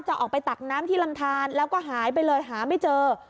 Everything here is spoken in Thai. จะออกไปตักน้ำที่ลำทานแล้วก็หายไปเลยหาไม่เจอ